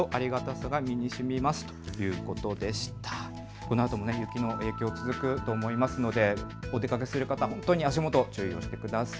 このあとも雪の影響、続くと思いますので、お出かけする方足元、注意してください。